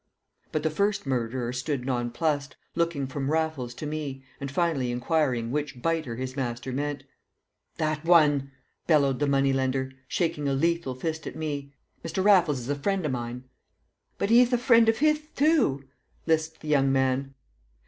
But the first murderer stood nonplussed, looking from Raffles to me, and finally inquiring which biter his master meant. "That one!" bellowed the money lender, shaking a lethal fist at me. "Mr. Raffles is a friend o' mine." "But 'e'th a friend of 'ith too," lisped the young man.